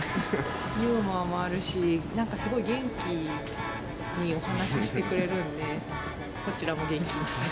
ユーモアもあるし、なんかすごい元気にお話してくれるんで、こちらも元気になります。